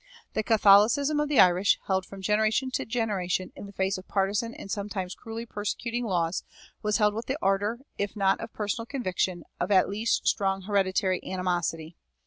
The Catholicism of the Irish, held from generation to generation in the face of partisan and sometimes cruelly persecuting laws, was held with the ardor, if not of personal conviction, at least of strong hereditary animosity.